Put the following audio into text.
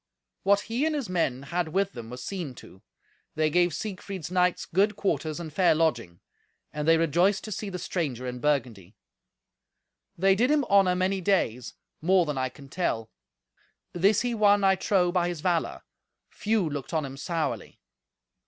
What he and his men had with them was seen to; they gave Siegfried's knights good quarters and fair lodging; and they rejoiced to see the stranger in Burgundy. They did him honour many days: more than I can tell. This he won, I trow, by his valour. Few looked on him sourly.